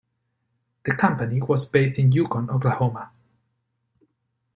The company was based in Yukon, Oklahoma.